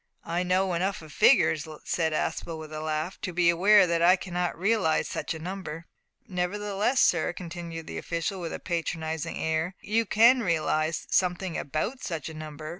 "I know enough of figures," said Aspel, with a laugh, "to be aware that I cannot realise such a number." "Nevertheless, sir," continued the official, with a patronising air, "you can realise something about such a number.